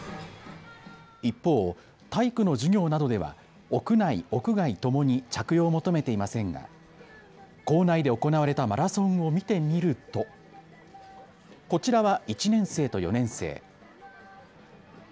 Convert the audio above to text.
一方、体育の授業などでは屋内・屋外ともに着用を求めていませんが校内で行われたマラソンを見てみるとこちらは１年生と４年生。